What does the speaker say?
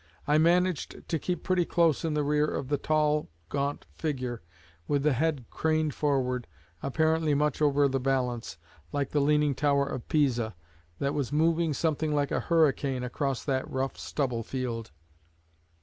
I managed to keep pretty close in the rear of the tall, gaunt figure, with the head craned forward, apparently much over the balance, like the Leaning Tower of Pisa, that was moving something like a hurricane across that rough stubble field."